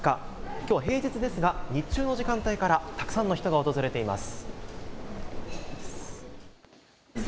きょうは平日ですが日中の時間帯からたくさんの人が訪れています。